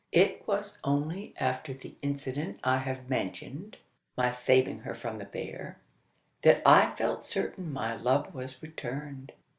It was only after the incident I have mentioned my saving her from the bear that I felt certain my love was returned.